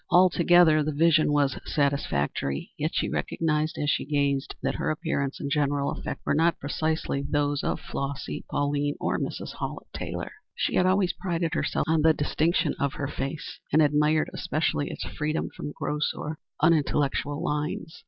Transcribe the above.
Altogether the vision was satisfactory, yet she recognized as she gazed that her appearance and general effect were not precisely those of Flossy, Pauline, or Mrs. Hallett Taylor. She had always prided herself on the distinction of her face, and admired especially its freedom from gross or unintellectual lines.